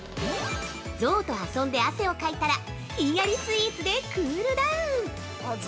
◆象と遊んで汗をかいたらひんやりスイーツでクールダウン！